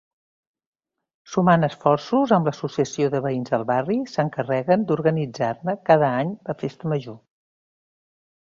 Sumant esforços amb l'associació de veïns del barri, s'encarreguen d'organitzar-ne cada any la festa major.